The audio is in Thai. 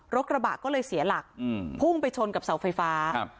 กระบะก็เลยเสียหลักอืมพุ่งไปชนกับเสาไฟฟ้าครับ